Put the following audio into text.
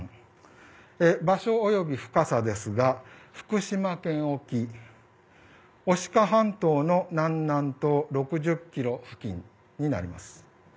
場所及び深さですが、福島県沖牡鹿半島の南南東６０ｋｍ付近になります。